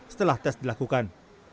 setelah tes dilakukan